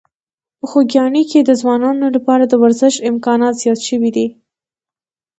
په خوږیاڼي کې د ځوانانو لپاره د ورزش امکانات زیات شوي دي.